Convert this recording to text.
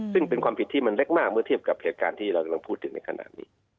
ซึ่งเป็นความผิดที่มันเล็กมากเมื่อเทียบกับเหตุการณ์ที่เรากำลังพูดถึงในขณะนี้